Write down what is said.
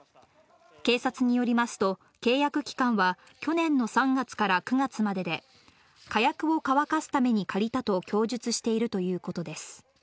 警察によりますと、契約期間は去年の３月から９月までで、火薬を乾かすために借りたと供述しているということです。